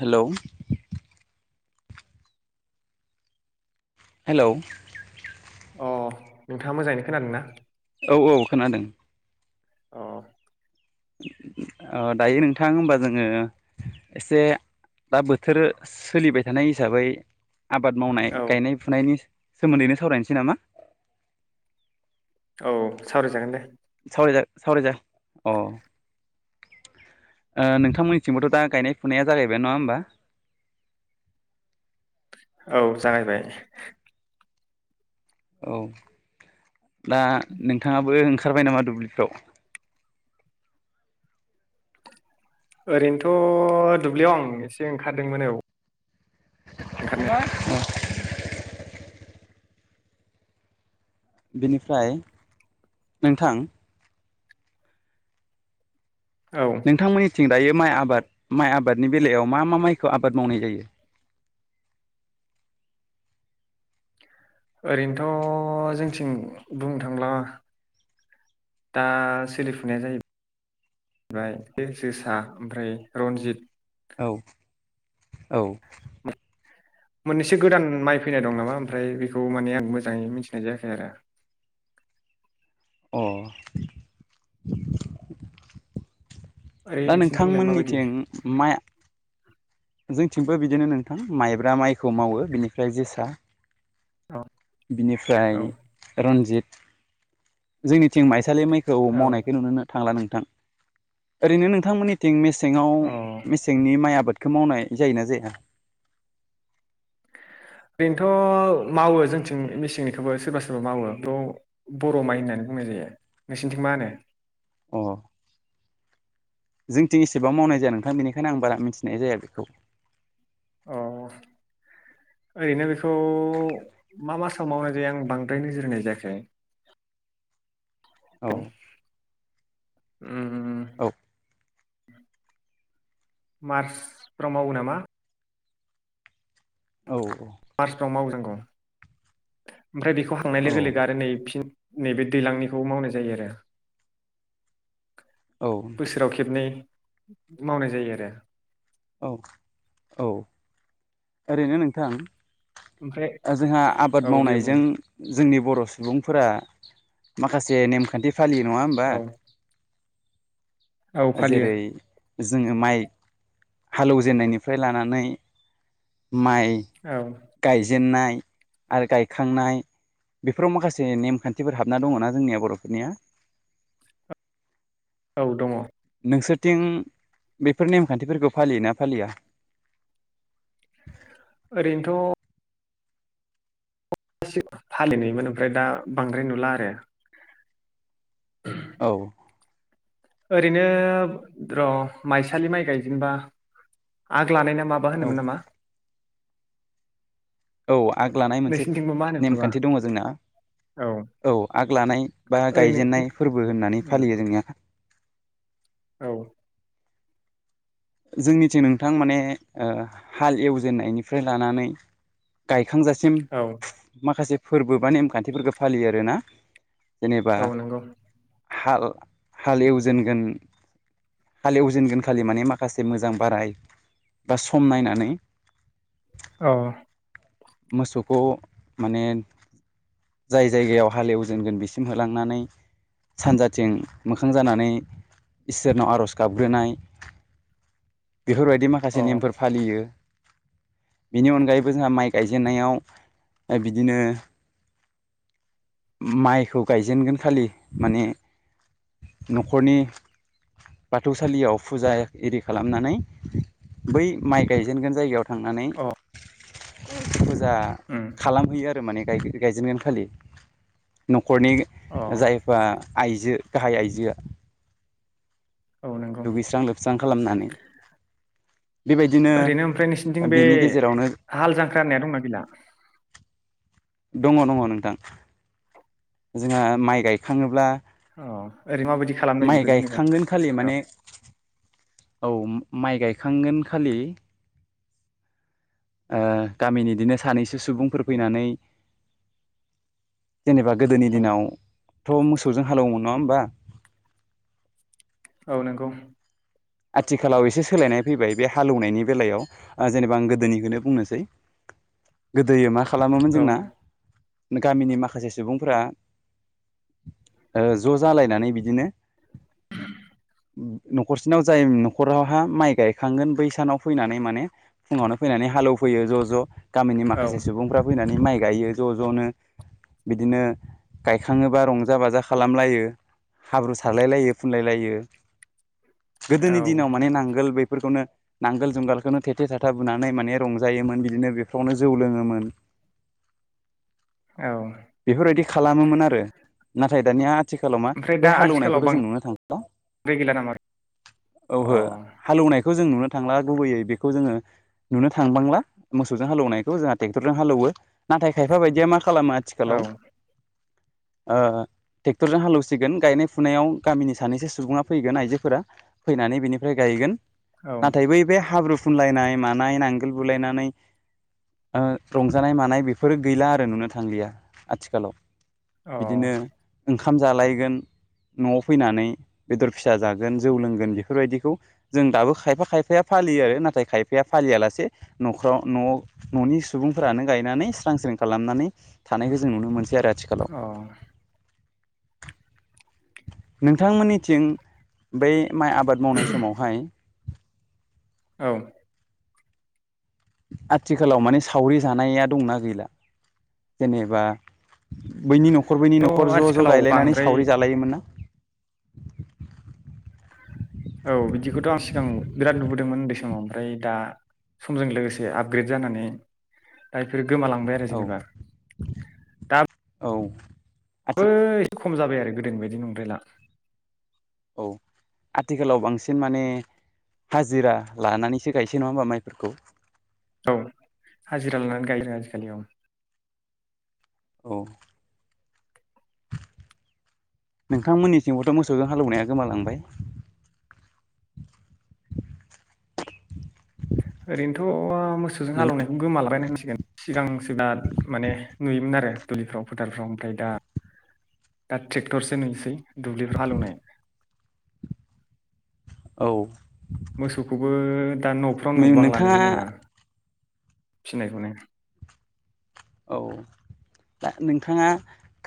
Hello hello अ नोंथाङा मोजाङैनो खोनादों ना? औ औ खोनादों अ ओ दायो नोंथां होमबा जोङो एसे दा बोथोर सोलिबाय थानाय हिसाबै आबाद मावनाय औ गायनाय फुनायनि सोमोन्दैनो सावरायनोसै नामा औ सावराय जागोन दे सावरायजा सावरायजा अ ओ नोंथांमोननिथिंबोथ दा गायनाय फुनाया जागायबाय नङा होमबा? औ जागायबाय औ दा नोंथाङाबो ओं खारबाय नामा दुब्लिफ्राव ओरैनोथ दुब्लियाव आं एसे ओंखारदोंमोन औ ओंखारनाया [inaudible] बेनिफ्राय नोंथां। औ नोंथांमोननिथिं दायो माइ आबाद माइ आबादनि बेलायाव मा मा माइखौ आबाद मावनाय जायो? ओरैनोथ' जोंथिं बुंनो थांब्ला दा सोलिफुनाया जाहै [inaudible] बाय जो-जोसा ओमफ्राय रनजित औ औ मोननैसो गोदान माइ फैनाय दं नामा ओमफ्राय बेखौ माने आं मोजाङै मिथिनाय जायाखै आरो अ ओरै दा नोंसिनिथिंलाय माबायदि नोंथांमोननिथिं माया जोंथिंबो बिदिनो नोंथां माइब्रा माइखौ मावो। बेनिफ्राइ जोसा औ बिनिफ्राय औ रन्जित जोंनिथिं माइ सालि मायखौ औ मावनायखौ नुनोनो थांला नो ओरैनो नोंथांमोननिथिं मेस सेङाव अ मेसेंनि माइ आबाद खौ मावनाय जायोना जाया? ओरैनोथ' मावो जोंथिं मेसिंनिखौबो सोरबा सोरबा मावो [inaudible] बर' माइ होननानै बुंनाय जायो। नोंसिनिथिं मा होनो? अ जोंथिं एसेबां मावनाय जाया नोंथां बेनिखायनो आं बारा मिथिनाय जाया बेखौ। अ ओरैनो बेखौ मा मासाव मावनाय जायो। आं बांद्राय नोजोर होनाय जायाखै औ उम औ मार्सफ्राव मावो नामा? औ मार्चफ्राव मावनांगौ। ओमफ्राय बेखौ हाखांनाय लोगो लोगो आरो नै फिन नैबे दैज्लांनिखौ मावनाय जायो आरो औ बोसोराव खेबनै मावनाय जायो आरो औ औ ओरैनो नोंथां। ओमफ्राय जोंहा आबाद औ दे बुं मावनायजों जोंनि बर' सुबुंफोरा माखासे नेमखान्थि फालियो नङा होमबा औ औ फालियो जेरै जोङो माइ हालौजेननायनिफ्राय लानानै माइ औ गायजेन्नाय आरो गायखांनाय बेफोराव माखासे नेमखान्थिफोर हाबना दङना जोंनिया बर'फोरनिया औ दङ नोंसोरथिं बेफोर नेमखान्थिफोरखौ फालियोना फालिया ओरैनोथ फालिनायमोन ओमफ्राय दा बांद्राय नुला आरो औ ओरैनो र' माइसालि माइ गायजेनबा आ लानाय ना माबा औ होनोमोन नामा औ आग लानाय मोनसे नोंसिनिथिंबो मा होनो खोमा नेमखान्थि दङ जोंना औ आग लानाय बा ओरैनो गायजेनन्नाय फोरबो होननानै फालियो जोंनिया औ जोंनिथिं नोंथां माने ओ हाल एवजेननायनिफ्राय लानानै गाय खांजासिम औ माखासे फोरबो बा नेमखान्थिफोरखौ फालियो आरोना जेनेबा औ नोंगौ हाल हालेवजेनगोन हालेवजेनगोन खालि माने मा खासे मोजां बाराय बा सम नायनानै औ मोसौखौ माने जाय जायगायाव हालेवजेनगोन बेसिम होलांनानै सानजाथिं मोखां जानानै इसोरनाव आर'ज गाबग्रोनाय बेफोरबायदि अ माखासे नेमफोर फालियो बेनि अनगायैबो जोंहा माइ गायजेननायाव दा बिदिनो माइखौ गायजेनगोन खालि माने न'खरनि बाथौसालियाव फुजा एरि खालामनानै बै माइ गायजेनगोन जायगायाव थांनानै अ [inaudible] जा उम खालामहैयो आरो माने गायगोन गायजेनगोन खालि न न'खरनि अ जायफा आइजो गाहाय आइजोआ औ नंगौ दुगैस्रां लोबस्रां खालामनानै बेबायदिनो ओरैनो ओमफ्राय नोंसिरनिथिं बे बिनि गेजेरावनो हाल जांख्रा होननाया दंना गैला दङ दङ नोंथां जोंहा माइ गायखाङोब्ला औ ओरै माबायदि खालामलायो माइ बेखौ जेनेबा गायखांगोन खालि औ माने औ माइ गायखांगोन खालि ओ गामिनि इदिनो सानैसो सुबुंफोर फैनानै जेनेबा गोदोनि औ दिनाव थ' मोसौजों हालौओमोन नङा होमबा औ नोंगौ आथिखालाव एसे सोलायनाय फैबाय बे हालऔ नायनि बेलायाव जेनेबा आं गोदोनिखौनो बुंनोसै गोदोयो मा खालामोमोन औ जोंना गामिनि माखासे सुबुंफोरा ओ ज' जालायनानै बिदिनो न'खरसे सेनाव जाय नख'रावहा माइ गायखांगोन बैसानाव फैनानै माने फुङावनो फैनानै हालेवफैयो ज' ज' गामिनि औ माखासे सुबुंफ्रा फैनानै। माइ गायो ज' ज'नो बिदिनो गायखाङोबा रंजा बाजा खालामलायो हाब्रु सारलाय लायो फुनलाय लायो। औ गोदोनि दिनाव माने नांगोल बेफोरखौनो नांगोल जुंगालखौनो थेथे थाथा बोनानै माने रंजायोमोन बिदिनो बेफोरावनो जौ लोङोमोन। औ बेफोरबायदि खालामोमोन आरो। नाथाय दानिया आथिखालाव मा ओमफ्राय बै दा आथिखालाव हालौवनायखौथ' जों नुनो थांला बांद्राय गैला नामा अ औहो हालऔवनाय खौ जों नुनो थांला गुबैयै बेखौ जोंङो नुनो थांबांला मोसौजों हालौनायखौ जोंहा ट्रेक्टरजों हालौवो नाथाय खायफा बायदिया मा खालामो औ आथिखालाव ओ ट्रेक्टरजों हालेवसिगोन गायनाय फुनायाव गामिनि सानैसो सुबुङा फैगोन आइजोफोरा फैनानै बिनिफ्राय गायगोन। नाथाय बै बे हाब्रु फुनलायनाय मानाय नांगोल बुलायनानै ओ रंजानाय मानाय बेफोरो गैला आरो नुनो थांलिया आथिखालाव। अ बिदिनो ओंखाम ओंखाम जालायगोन न'आव फैनानै बेदर फिसा जागोन। जौ लोंगोन बेफोरबायदिखौ जों दाबो खायफा खायफाया फालियो आरो नाथाय खायफाया फालियालासे न'खराव न' न'नि सुबुंफोरानो गायनानै स्रां स्रिं खालामनानै थानायखौ जों नुनो मोनसै आरो आथिखालाव। नोंथांमोननिथिं बै माइ आबाद मावनाय समावहाय औ आथिखालाव माने सावरि जानाया दंना गैला जेनेबा बैनि न'ख खर बैनि थ' न'खर ज' ज' आथिखालाव गायलायनानै बांद्राय सावरि जालायोमोन ना? [inaudible] औ बिदिखौथ' आं सिगां बिराद नुबोदोंमोन उन्दै समाव ओमफ्राय दा समजों लोगोसे आपग्रेड जानानै दा इफोर गोमालांबाय आरो औ जेनेबा दा औ आथि बै खम जाबाय आरो गोदोनि बायदि नंद्रायला। औ आथिखालाव बांसिन माने हाजिरा लानानैसो गायसै नङा होमबा माइफोरखौ? औ हाजिरा लनानै गायोनो आजिखालि औ। औ नोंथांमोननि थिंबोथ' मोसौजों हालौवनाया गोमालांबाय ओरैनोथ' मोसौजों हालेवनायखौ गोमालाबायनसै गोन सिगां [unintelligible] माने नुयोमोन आरो दुब्लिफ्राव फोथारफ्राव ओमफ्राय दा दा ट्रेक्टरसो नुयोसै दुब्लिफ्राव हालौवनाय औ मोसौखौबो दा न'फ्राव नुबां लानो नोंथाङा जेनेबा फिनायखौनो औ दा नोंथांङा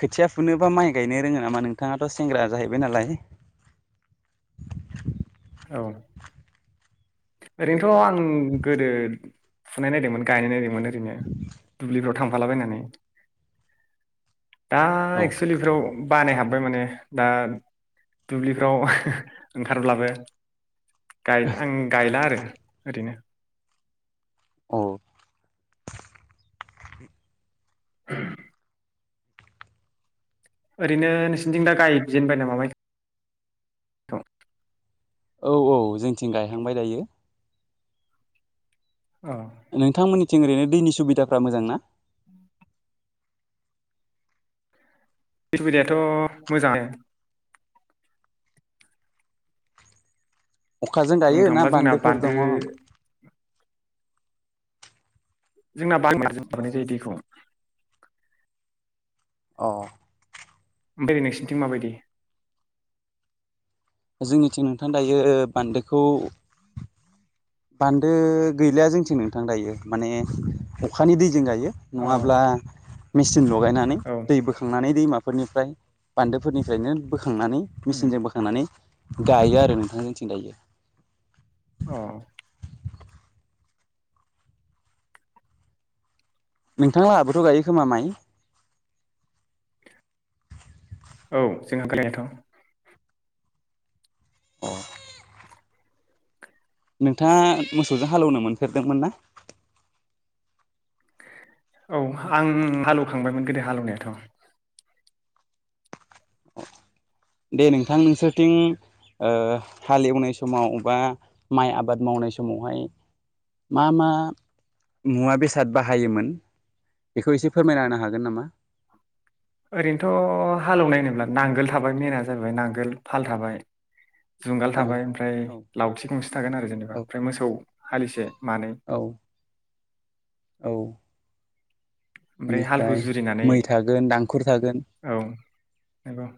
खोथिया फुनो बा माइ गायनो रोंङो नामा नोंथाङाथ' सेंग्रा जाहैबाय नालाय औ ओरैनोथ' आं गोदो फुनाय नायदोंमोन गायनाय नायदोंमोन। मोन ओरैनो दुब्लिफ्राव थांफालाबायनानै दा औ एक्सुलि बेफ्राव बानाय हाबबाय ओमफाय माने दा दुब्लिफ्राव ओंखारब्लाबो गाय आं गायला आरो ओरैनो औ [inaudible] ओरैनो नोंसिनिथिं दा गायजेनबाय नामा माइखौ? औ औ जोंथिं गायहांबाय दायो। अ नोंथांमोननि थिं ओरैनो दैनि सुबिदफ्रा मोजां ना। [inaudible] सुबिदायाथ' मोजांङा नो। अखाजों बुंनो गायो ना थाङोब्ला जोंना बान्दोफोर बान्दो दङ। जोंना [unintelligible] लाबोनाय जायो दैखौ अ ओमफ्रायै नोंसिनिथिं माबायदि? जोंनिथिं नोंथां ओ दायो बान्दोखौ बान्दो गैलिया जोंथिं नोंथां दायो माने अखानि दैजों गायो। अ नंङाब्ला लगायनानै औ दै बोखांनानै दैमा फोरनिफ्राय बान्दोफोरनिफ्रायनो बो बोखांनानै उम मेसिनजों बोखांनानै गायो आरो नोंथां जोंथिं दायो। अ नोंथांआबोथ' गायो खोमा माइ? औ जोंहा गोयोथ अ। नोंथांङा मोसौजों हालौवनो मोनफेरदोंमोन ना। औ आं हालौवखांबायमोन गोदो हालौवनायाथ'। दे नोंथां नोंसोरथिं ओ हालेवनाय समाव बा माइ आबाद मावनाय समावहाय मा मा मुवा बेसाद बाहायोमोन बेखौ एसे फोरमायलांनो हागोन नामा। ओरैनोथ' हालेवनायनोब्ला नांगोल थाबाय मेना जाबाय नांगोल फाल थाबाय। जुंगाल औ थाबाय ओमफ्राय औ लावथि गंसे थागोन आरो जेनेबा औ ओमफ्राय मोसौ। हालिसे। मानै औ औ। ओमफ्राय हालखौ बेनिफ्राय जुरिनानै मै थागोन दांखुर थागोन। हब'।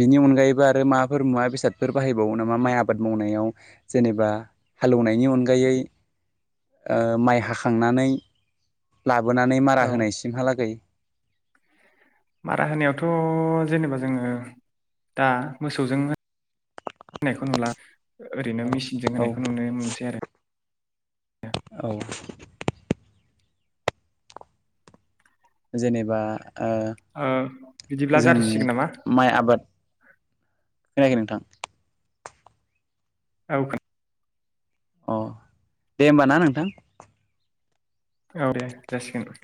बिनि अनगायैबो आरो माबाफोर मुवा बेसादफोर बाहायबावो नामा माइ आबाद मावनायाव जेनेबा हालेवनायनि अनगायै ओ माइ हाखांनानै ला। लाबोनानै औ मारा होनायसिमहालागै। मारा होनायावथ' जेनेबा जोङो दा मोसौजों होनायखौ नुला। ओरैनो मेचिनजों औ होनायखौ नुनो मोनसै आरो। औ। जेनेबा। ओ ओ बिदिब्ला जों जाथ'सिगोन नामा माइ आबाद। खोनायाखै नोंथां। औ। अ दे होमबा ना नोंथां। औ दे जासिगोन।